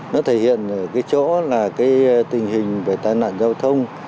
nó thể hiện ở cái chỗ là cái tình hình về tai nạn giao thông